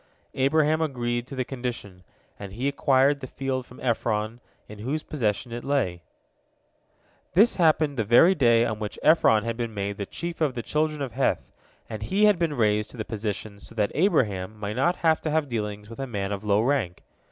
Abraham agreed to the condition, and he acquired the field from Ephron, in whose possession it lay. This happened the very day on which Ephron had been made the chief of the children of Heth, and he had been raised to the position so that Abraham might not have to have dealings with a man of low rank.